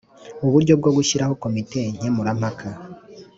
Uburyo bwo gushyiraho komite nkemurampaka